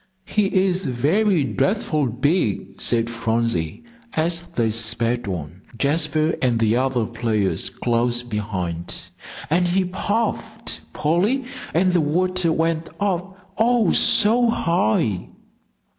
"He is very dreadful big," said Phronsie, as they sped on, Jasper and the other players close behind. "And he puffed, Polly, and the water went up, oh, so high!"